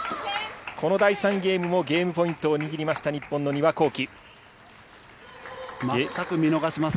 この第３ゲームもゲームポイントを握りました、日本の丹羽孝希。